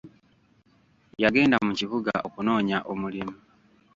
Yagenda mu kibuga okunoonya omulimu.